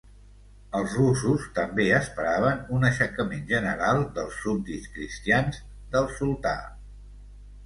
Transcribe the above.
Els russos també esperaven un aixecament general dels súbdits cristians del Sultà.